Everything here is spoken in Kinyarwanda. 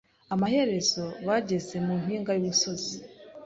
Amaherezo, bageze mu mpinga y'umusozi.